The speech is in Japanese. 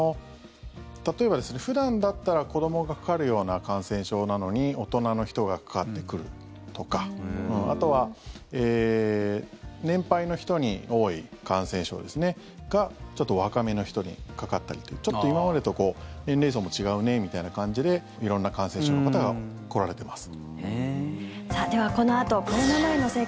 例えば、普段だったら子どもがかかるような感染症なのに大人の人がかかって来るとかあとは年配の人に多い感染症がちょっと若めの人にかかったりとちょっと今までと年齢層も違うねみたいな感じで色んな感染症の方が来られてます。